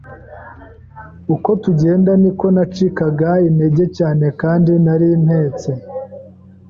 Uko tugenda niko nacikaga intege cyane kandi nari mpetse!